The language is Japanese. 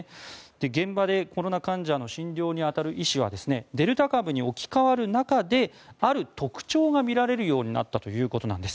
現場でコロナ患者の診療に当たる医師はデルタ株に置き換わる中である特徴が見られるようになったということなんです。